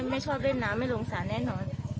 ไม่ชอบเล่นน้ำไม่ลงสารแน่นอน